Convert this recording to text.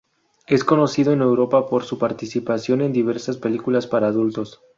Es conocida en Europa por su participación en diversas películas para adultos.